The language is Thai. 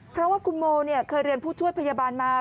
เพราะว่าคุณโมเคยเรียนผู้ช่วยพยาบาลมา